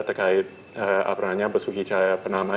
terkait bersukicaya penama